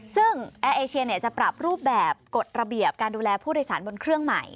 ซึ่งแอร์เอเชียจะปรับรูปแบบกฎระเบียบการดูแลผู้โดยสารบนเครื่องใหม่